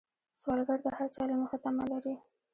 سوالګر د هر چا له مخې تمه لري